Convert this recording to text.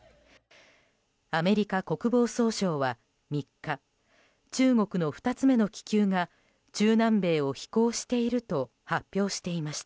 アメリカ国防総省は３日中国の２つ目の気球が中南米を飛行していると発表していました。